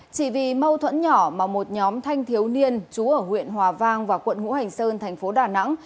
chỉ vì mâu thuẫn nhỏ mà một nhóm thanh thiếu niên trú ở huyện hòa vang và quận ngũ hành sơn thành phố đà nẵng